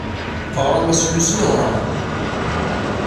Teɣram-as i Lucy neɣ werɛad?